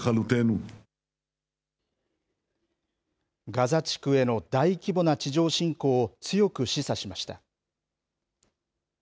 ガザ地区への大規模な地上侵攻を強く示唆しました。